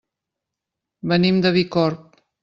Venim de Bicorb.